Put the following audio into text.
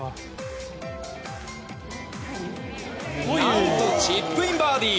何とチップインバーディー！